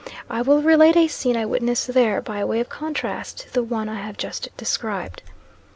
I will relate a scene I witnessed there, by way of contrast to the one I have just described.